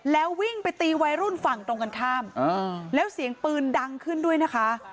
แล้ววิ่งไปตีวัยรุ่นฝั่งตรงกันข้ามแล้วเสียงปืนดังขึ้นด้วยนะคะ